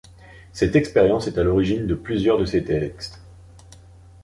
Cette expérience est à l'origine de plusieurs de ses textes.